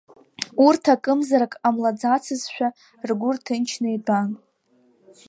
Урҭ акымзарак ҟамлаӡазшәа ргәы рҭынчны итәан.